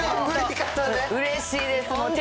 うれしいです。